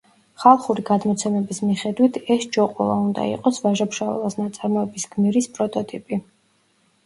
ხალხური გადმოცემების მიხედვით, ეს ჯოყოლა უნდა იყოს ვაჟა-ფშაველას ნაწარმოების გმირის პროტოტიპი.